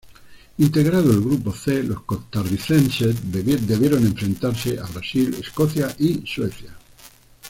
Integrando el Grupo C, los costarricenses debieron enfrentarse a Brasil, Escocia y Suecia.